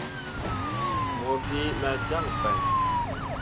Mo gi nah jyak bai.